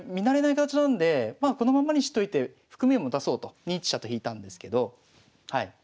慣れない形なんでこのままにしといて含みを持たそうと２一飛車と引いたんですけど。